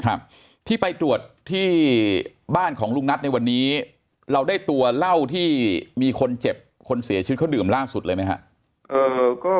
ครับที่ไปตรวจที่บ้านของลุงนัทในวันนี้เราได้ตัวเหล้าที่มีคนเจ็บคนเสียชีวิตเขาดื่มล่าสุดเลยไหมครับ